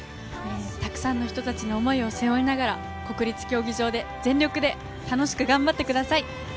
たくさんの人たちの思いを背負いながら国立競技場へ全力で楽しく頑張ってください。